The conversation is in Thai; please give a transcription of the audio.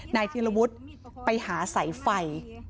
นายเทียระวุฒิไปหาสายไฟ